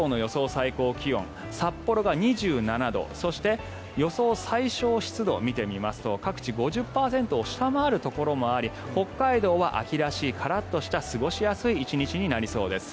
最高気温札幌が２７度そして予想最小湿度を見てみますと各地５０％を下回るところもあり北海道は秋らしいカラッとした過ごしやすい１日になりそうです。